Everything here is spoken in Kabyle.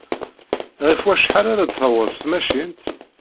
Ɣef wacḥal ara d-taweḍ tmacint?